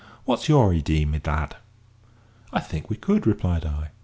What's your idee, my lad?" "I think we could," replied I.